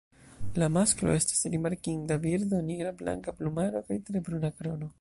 La masklo estas rimarkinda birdo nigrablanka plumaro kaj tre bruna krono.